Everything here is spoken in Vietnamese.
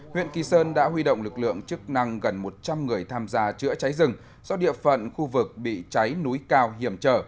huyện kỳ sơn đã huy động lực lượng chức năng gần một trăm linh người tham gia chữa cháy rừng do địa phận khu vực bị cháy núi cao hiểm trở